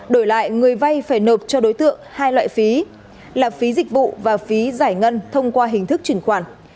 đổi lại người vay phải nộp cho đối tượng hai loại phí là phí dịch vụ và phí giải ngân thông qua hình thức chuyển khoản